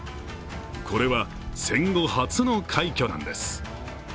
これは、戦後初の快挙なんです。